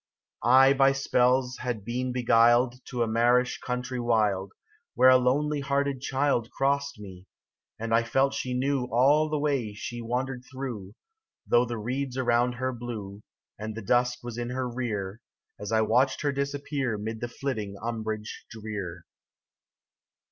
I BY spells had been beguiled To a marish country wild, Where a lonely hearted child Crossed me ; and I felt she knew All the way she wandered through, Though the reeds around her blew, And the dusk was in her rear, As I watched her disappear 'Mid the flitting umbrage drear.